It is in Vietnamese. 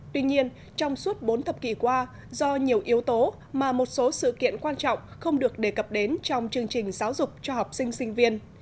tuy nhiên trong suốt bốn thập kỷ qua do nhiều yếu tố mà một số sự kiện quan trọng không được đề cập đến trong chương trình giáo dục cho học sinh sinh viên